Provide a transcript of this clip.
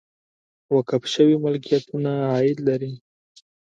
وقف شوي ملکیتونه عاید لري